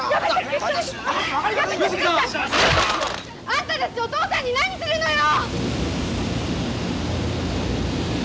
あんたたちお父さんに何するのよ！